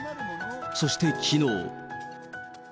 そしてきのう。